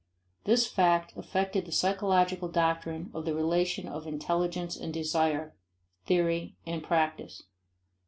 This fact affected the psychological doctrine of the relation of intelligence and desire, theory and practice.